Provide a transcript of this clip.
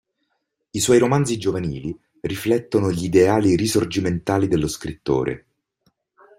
I suoi romanzi giovanili riflettono gli ideali risorgimentali dello scrittore.